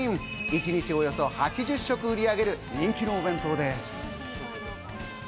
一日およそ８０食売れる人気のお弁当です。